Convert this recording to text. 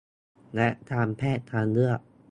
และการแพทย์ทางเลือก